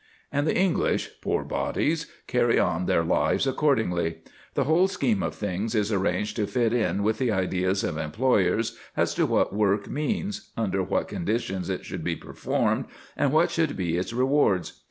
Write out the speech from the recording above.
And the English poor bodies! carry on their lives accordingly. The whole scheme of things is arranged to fit in with the ideas of employers as to what work means, under what conditions it should be performed, and what should be its rewards.